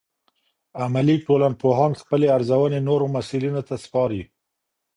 عملي ټولنپوهان خپلې ارزونې نورو مسؤلینو ته سپاري.